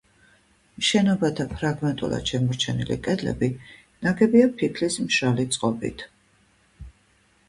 შენობათა ფრაგმენტულად შემორჩენილი კედლები ნაგებია ფიქლის მშრალი წყობით.